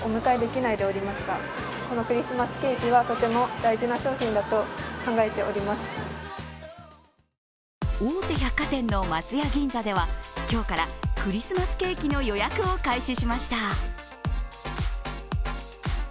大手百貨店の松屋銀座では今日からクリスマスケーキの予約を開始しました。